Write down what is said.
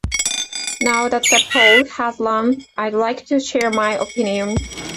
Now that the poll has run I'd like to share my opinion.